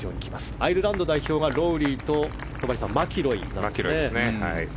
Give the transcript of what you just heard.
アイルランド代表がロウリーとマキロイですね。